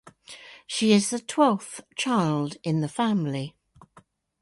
She is the twelfth child in the family.